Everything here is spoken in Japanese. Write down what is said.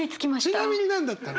ちなみに何だったの？